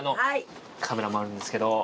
カメラもあるんですけど。